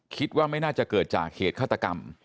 คิดว่าไม่น่าจะเกิดจากเหตุฆาตกรรม